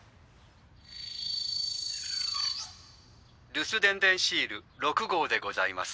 留守電でんシール六号でございます。